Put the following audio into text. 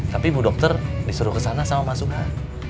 tapi bu dokter disuruh ke sana sama mas umar